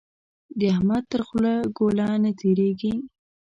د احمد تر خوله ګوله نه تېرېږي.